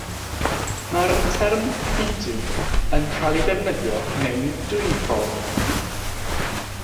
Mae'r term “idu” yn cael ei ddefnyddio mewn dwy ffordd.